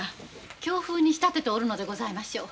京風に仕立てておるのでございましょう。